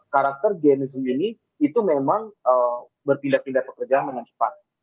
karakter geni zoom ini itu memang berpindah pindah pekerjaan dengan cepat